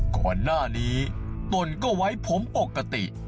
ก่อนหน้านี้ตนก็ไว้ผมปกติ